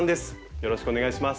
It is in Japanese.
よろしくお願いします。